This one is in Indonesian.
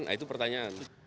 biarkan itu pertanyaan